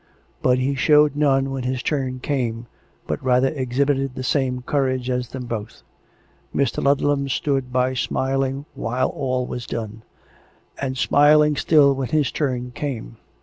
But he showed none when his turn came, but rather ex hibited the same courage as them both. Mr. Ludlam stood by smiling while all was done; and smiling still when his turn came.